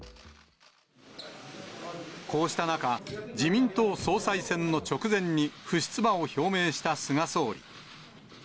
こうした中、自民党総裁選の直前に、不出馬を表明した菅総理。